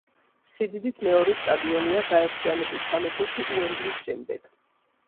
სიდიდით მეორე სტადიონია გაერთიანებულ სამეფოში უემბლის შემდეგ.